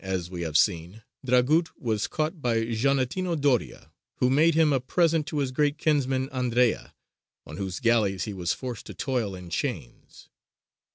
_)] In 1540, as we have seen, Dragut was caught by Giannettino Doria, who made him a present to his great kinsman Andrea, on whose galleys he was forced to toil in chains.